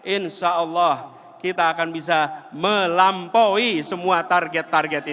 insyaallah kita akan bisa melampaui semua target target ini